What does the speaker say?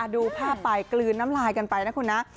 ดูภาพไปกลืนน้ำลายกันไปนะคุณนะ